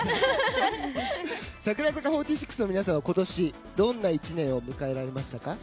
櫻坂４６の皆さんは今年どんな１年を迎えられましたか？